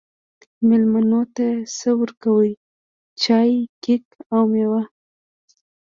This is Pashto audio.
میلمنو ته څه ورکوئ؟ چای، کیک او میوه